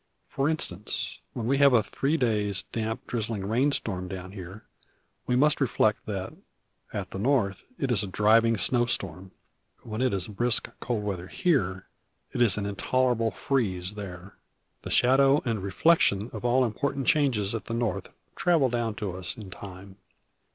For instance, when we have a three days' damp, drizzling rain storm down here, we must reflect, that, at the North, it is a driving snow storm. When it is brisk, cold weather here, it is an intolerable freeze there. The shadow and reflection of all important changes at the North travel down to us in time.